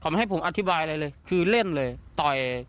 ความให้ผมอธิบายเลยคือเล่นเลย